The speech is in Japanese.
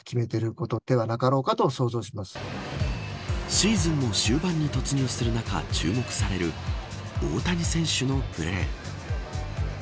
シーズンも終盤に突入する中注目される、大谷選手のプレー。